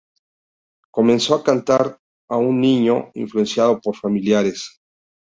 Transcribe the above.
Comenzó a cantar aún niño, influenciado por familiares.